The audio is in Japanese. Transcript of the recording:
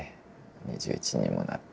２１にもなって。